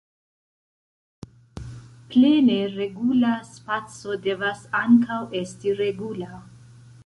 Plene regula spaco devas ankaŭ esti regula.